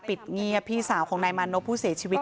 ปิดเงียบพี่สาวของนายมานพผู้เสียชีวิต